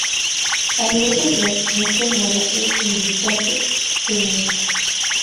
A nivel social, Maite Mola es militante feminista.